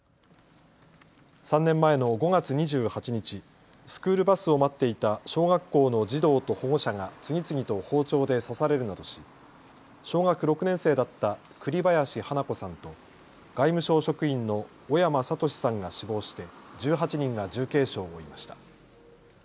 ３年前の５月２８日、スクールバスを待っていた小学校の児童と保護者が次々と包丁で刺されるなどし小学６年生だった栗林華子さんと外務省職員の小山智史さんが死亡して１８人が重軽傷を負いました。